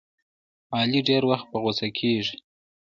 علي ډېری وخت په غوسه کې روض غږوي.